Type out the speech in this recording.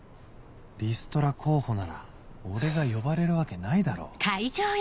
リストラ候補なら俺が呼ばれるわけないだろ